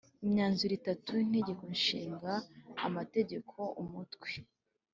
imyanzuro itatu Inteko Ishinga Amategeko Umutwe